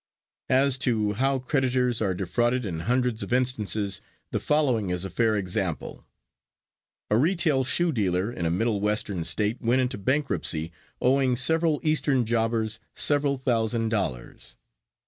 As to how creditors are defrauded in hundreds of instances, the following is a fair example: A retail shoe dealer in a middle western state went into bankruptcy owing several eastern jobbers several thousand dollars.